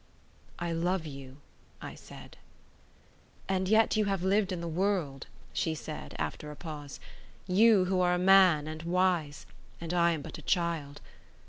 "I love you," I said. "And yet you have lived in the world," she said; after a pause, "you are a man and wise; and I am but a child.